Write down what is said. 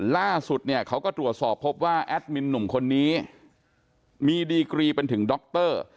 ล่าสุดเนี่ยเขาก็ตรวจสอบพบว่าแอดมินหนุ่มคนนี้มีดีกรีเป็นถึงดร